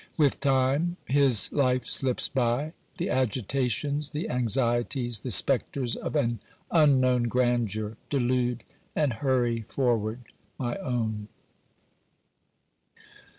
With time his life slips by ; the agitations, the anxieties, the spectres of an unknown grandeur delude and hurry forward my own.